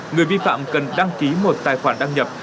người vi phạm cần đăng ký một tài khoản đăng nhập